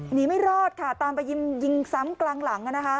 ไม่รอดค่ะตามไปยิงซ้ำกลางหลัง